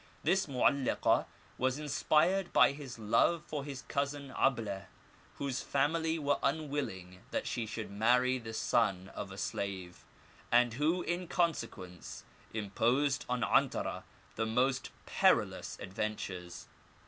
This Mo'allakah was inspired by his love for his cousin *Ableh, whose family were unwilling that she should marry the son of a slave, and who, in consequence, imposed on 'Antarah the most perilous adventures.